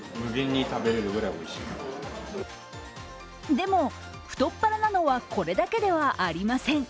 でも太っ腹なのは、これだけではありません。